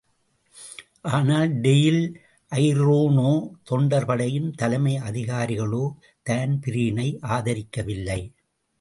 ஆனால் டெயில் ஐரோனோ, தொண்டர் படையின் தலைமை அதிகாரிகளோ தான்பிரீனை ஆதரிக்கவில்லை.